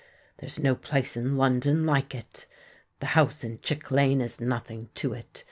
There's no place in London like it: the house in Chick Lane is nothing to it.